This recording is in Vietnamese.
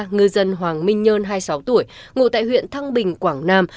ngư dân hoàng minh nhơn hai mươi sáu tuổi ngụ tại huyện thăng bình quảng nam